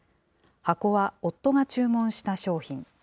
箱は夫が注文した商品。